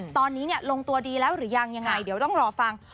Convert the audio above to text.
ตอนนี้ลงตัวดีแล้วหรือยังยังไงเดี๋ยวต้องรอฟัง